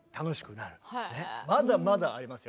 まだまだありますよ。